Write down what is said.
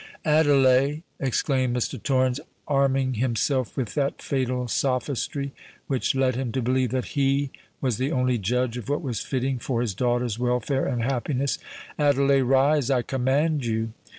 "Adelais," exclaimed Mr. Torrens, arming himself with that fatal sophistry which led him to believe that he was the only judge of what was fitting for his daughter's welfare and happiness,—"Adelais, rise—I command you!"